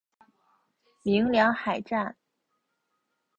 鸣梁海战